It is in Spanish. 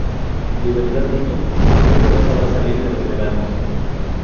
de verdad, niño, si se pierde no sabrá salir de los médanos...